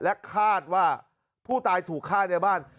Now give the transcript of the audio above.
คาดว่าผู้ตายถูกฆ่าในบ้าน